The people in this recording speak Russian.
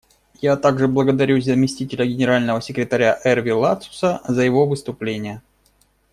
Я также благодарю заместителя Генерального секретаря Эрве Ладсуса за его выступление.